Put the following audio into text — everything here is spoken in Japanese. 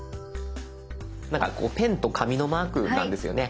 なんかこうペンと紙のマークなんですよね。